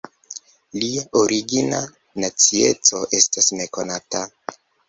Lia origina nacieco estas nekonata.